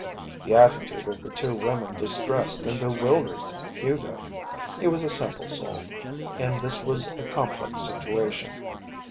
The attitude of the two women distressed and bewildered Hugo. He was a simple soul, and this was a complex situation.